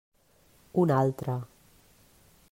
Un altre.